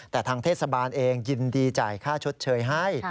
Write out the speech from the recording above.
แต่ทางเทศบาลเองยินดีจ่ายค่าชดเชยให้